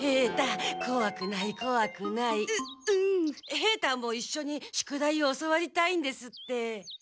平太もいっしょに宿題を教わりたいんですって。